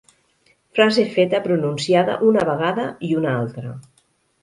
Frase feta pronunciada una vegada i una altra.